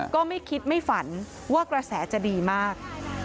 ก็ไม่คิดไม่ฝันว่ากระแสจะดีมาก